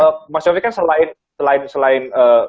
jadi mas yofi kan selain